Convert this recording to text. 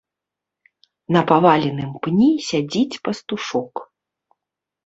На паваленым пні сядзіць пастушок.